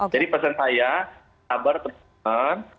jadi pesan saya sabar teman teman